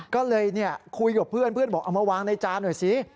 ก็เลยเนี่ยคุยกับเพื่อนบอกเอามาวางในจานหน่อยสิ